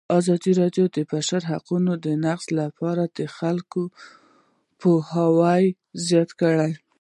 ازادي راډیو د د بشري حقونو نقض په اړه د خلکو پوهاوی زیات کړی.